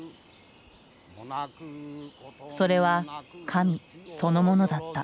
それは神そのものだった。